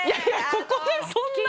ここでそんなこと。